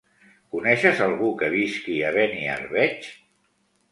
Coneixes algú que visqui a Beniarbeig?